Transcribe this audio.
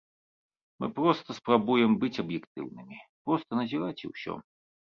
Мы проста спрабуем быць аб'ектыўнымі, проста назіраць і ўсё.